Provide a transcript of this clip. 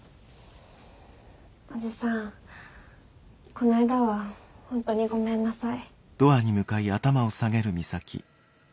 この間は本当にごめんなさい。